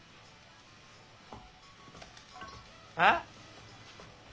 えっ？